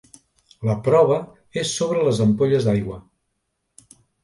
La prova és sobre les ampolles d'aigua.